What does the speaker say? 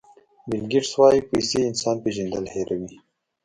بیل ګېټس وایي پیسې انسان پېژندل هیروي.